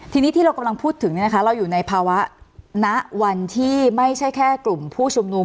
ทีนี้ที่เรากำลังพูดถึงเราอยู่ในภาวะณวันที่ไม่ใช่แค่กลุ่มผู้ชุมนุม